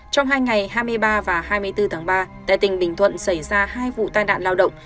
trong hai ngày hai mươi ba và hai mươi bốn tháng ba tại tỉnh bình thuận xảy ra hai vụ tai nạn lao động